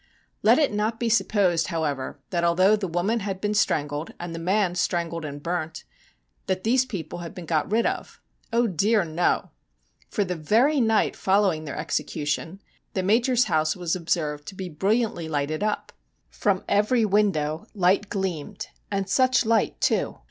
Let it not be supposed, however, that although the woman had been strangled, and the man strangled and burnt, that these people had been got rid of. Oh, dear no ! for the very night following their execution the Major's house was observed to be brilliantly lighted up. From every window light gleamed, and such light, too